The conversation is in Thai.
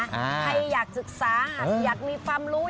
ใครอยากศึกษาใครอยากมีความรู้